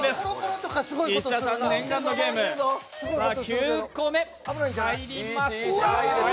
９個目、入りました。